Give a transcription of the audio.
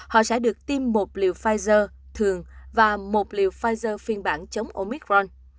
họ sẽ được tiêm một liều pfizer thường và một liều pfizer phiên bản chống oicron